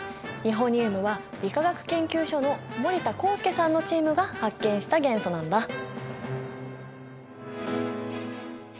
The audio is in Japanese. ニホニウムは理化学研究所の森田浩介さんのチームが発見した元素なんだ。